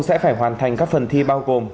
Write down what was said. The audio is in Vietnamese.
sẽ phải hoàn thành các phần thi bao gồm